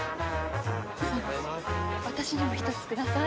私にも１つください。